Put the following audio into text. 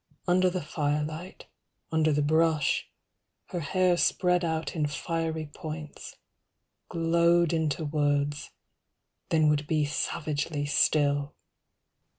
Under the firelight, under the brush, her hair Spread out in fiery points Glowed into words, then would be savagely still.